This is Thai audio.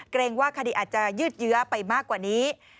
เกรงว่าคดีอาจจะยืดเยื้อไปมากกว่านี้